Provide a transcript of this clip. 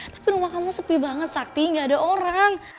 tapi rumah kamu sepi banget sakti nggak ada orang